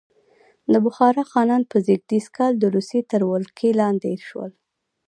د بخارا خانان په زېږدیز کال د روسیې تر ولکې لاندې شول.